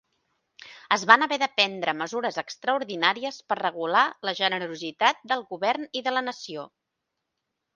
Es van haver de prendre mesures extraordinàries per regular la generositat del govern i de la nació.